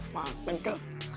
wuhh makin ke